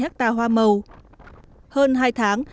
hơn hai tháng chạm bơm không hoạt động